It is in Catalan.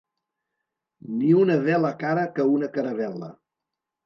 Ni una vela cara que una caravel·la.